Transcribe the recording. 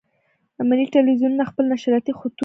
ملي ټلویزیونونه خپل نشراتي خطوط.